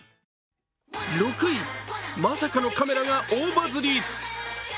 ６位、まさかのカメラが大バズり。